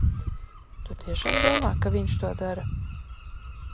Tu tiešām domā, ka viņš to dara?